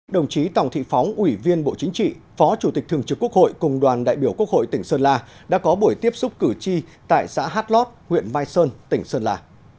đồng chí tòng thị phóng ủy viên bộ chính trị phó chủ tịch thường trực quốc hội cùng đoàn đại biểu quốc hội tỉnh sơn la đã có buổi tiếp xúc cử tri tại xã hát lót huyện mai sơn tỉnh sơn la